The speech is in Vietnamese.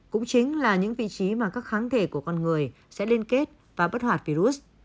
cũng chính là những vị trí mà các kháng thể của con người sẽ liên kết và bất hoạt virus